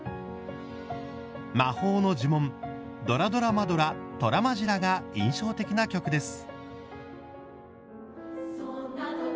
魔法の呪文「ドラドラマドラ！トラマジラ！」が印象的な曲です。